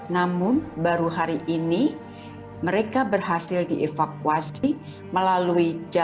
namun baru hari ini mereka berhasil dievakuasi melalui jalur kiev kemudian ke leningrad